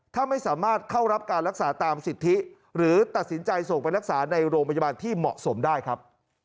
ถ้าไม่สามารถเข้ารับการรักษาตามสิทธิหรือตัดสินใจส่งไปรักษาในโรงพยาบาลที่เหมาะสมได้ครับ